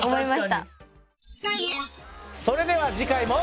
それでは次回も。